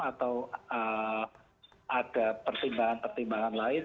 atau ada pertimbangan pertimbangan lain